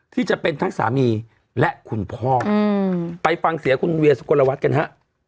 ที่จะเป็นทั้งสามีและคุณพ่อไปฟังเสียคุณเวียสุกลวัฒน์กันฮะ